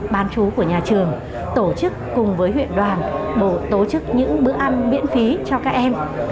bán chú của nhà trường tổ chức cùng với huyện đoàn bổ tổ chức những bữa ăn miễn phí cho các em